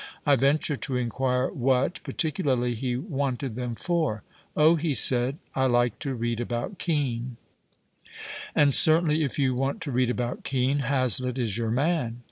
I venture to inquire what, i)arti cularly, he wanted them for. " Oh, ' he said, " I like to read about Kean." And certainly iC you want to read about Kean, Ilazlitt is your man.